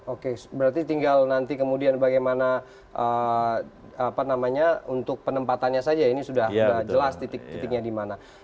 oke berarti tinggal nanti kemudian bagaimana untuk penempatannya saja ini sudah jelas titik titiknya di mana